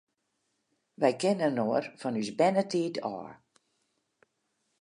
Wy kenne inoar fan ús bernetiid ôf.